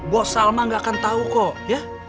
bos salma nggak akan tau kok ya